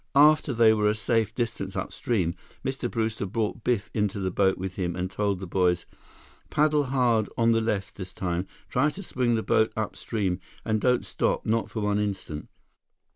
After they were a safe distance upstream, Mr. Brewster brought Biff into the boat with him and told the boys: "Paddle hard on the left, this time. Try to swing the boat upstream—and don't stop, not for one instant!"